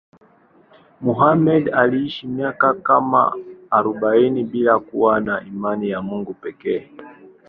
Muhammad aliishi miaka kama arobaini bila kuwa na imani ya Mungu pekee.